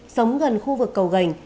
sống gần khu vực cầu gần